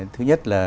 thứ nhất là